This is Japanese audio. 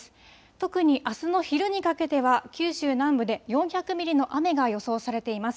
特にあすの昼にかけては九州南部で４００ミリの雨が予想されています。